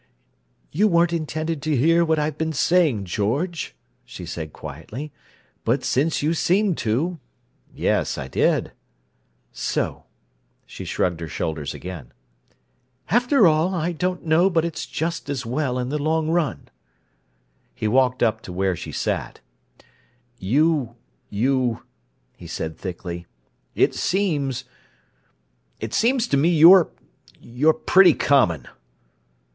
"You weren't intended to hear what I've been saying, George," she said quietly. "But since you seem to—" "Yes, I did." "So!" She shrugged her shoulders again. "After all, I don't know but it's just as well, in the long run." He walked up to where she sat. "You—you—" he said thickly. "It seems—it seems to me you're—you're pretty common!"